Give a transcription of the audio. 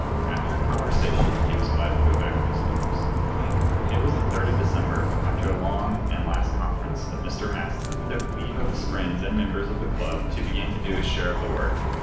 After a conversation he was glad to go back to his figures. It was on the 3d of December, after a long and last conference, that Mr. Maston took leave of his friends and members of the Club to begin to do his share of the work.